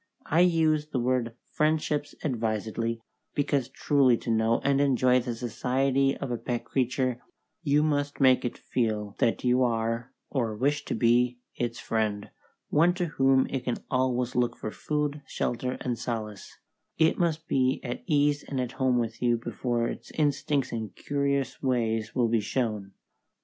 I use the word friendships advisedly, because truly to know and enjoy the society of a pet creature you must make it feel that you are, or wish to be, its friend, one to whom it can always look for food, shelter, and solace; it must be at ease and at home with you before its instincts and curious ways will be shown.